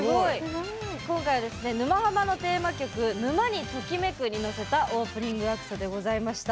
今回はですね「沼ハマ」のテーマ曲「沼にときめく！」にのせたオープニングアクトでございました。